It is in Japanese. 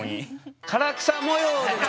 唐草模様で。